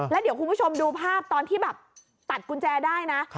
แล้วเดี๋ยวคุณผู้ชมดูภาพตอนที่แบบตัดกุญแจได้นะ